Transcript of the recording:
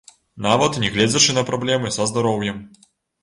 Нават нягледзячы на праблемы са здароўем.